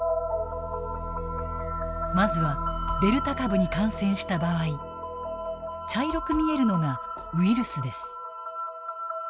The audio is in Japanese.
まずはデルタ株に感染した場合茶色く見えるのがウイルスです。